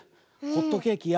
ホットケーキ！